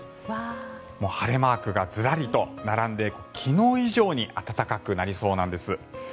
晴れマークがずらりと並んで昨日以上に暖かくなりそうなんです。